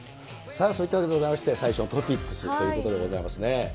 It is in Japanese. そういったわけでございまして、最初のトピックスということでございますね。